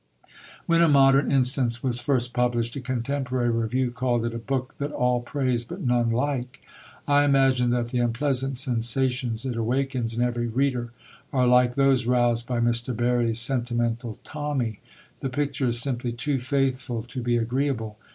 When A Modern Instance was first published, a contemporary review called it "a book that all praise but none like." I imagine that the unpleasant sensations it awakens in every reader are like those roused by Mr. Barrie's Sentimental Tommy. The picture is simply too faithful to be agreeable.